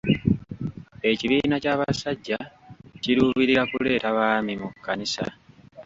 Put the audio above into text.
Ekibiina ky'abasajja kiruubirira kuleeta baami mu kkanisa.